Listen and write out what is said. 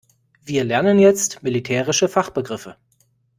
Wir lernen jetzt militärische Fachbegriffe.